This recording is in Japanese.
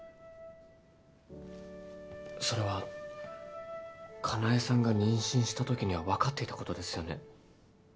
それは香奈江さんが妊娠したときにはわかっていたことですよね？